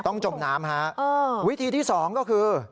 ต้องจมน้ำฮะวิธีที่๒ก็คือ